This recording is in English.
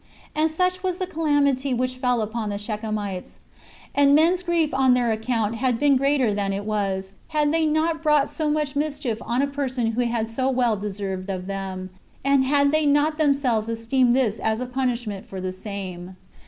And such was the calamity which fell upon the Shechemites; and men's grief on their account had been greater than it was, had they not brought so much mischief on a person who had so well deserved of them, and had they not themselves esteemed this as a punishment for the same.